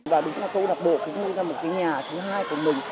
và đúng là câu lạc bộ cũng như là một cái nhà thứ hai